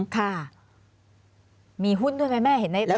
ค่ะมีหุ้นด้วยไหมเม่เห็นไหมครับ